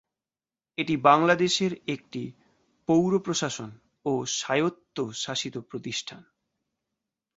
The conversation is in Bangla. এটি বাংলাদেশের একটি পৌর প্রশাসন ও স্বায়ত্তশাসিত প্রতিষ্ঠান।